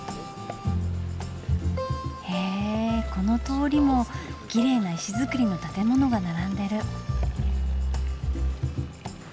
へえこの通りもきれいな石造りの建物が並んでる。